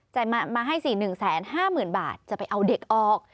จ่ายมาให้สี่หนึ่งแสนห้าหมื่นบาทจะไปเอาเด็กออก